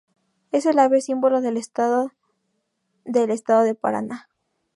Es el ave símbolo del estado del Estado de Paraná.